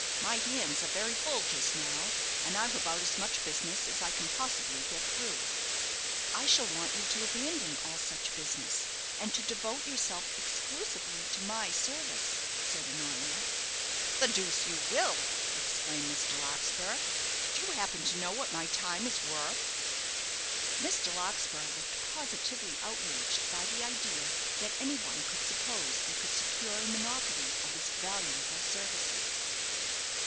My hands are very full just now, and I've about as much business as I can possibly get through." "I shall want you to abandon all such business, and to devote yourself exclusively to my service," said Honoria. "The deuce you will!" exclaimed Mr. Larkspur. "Do you happen to know what my time is worth?" Mr. Larkspur looked positively outraged by the idea that any one could suppose they could secure a monopoly of his valuable services.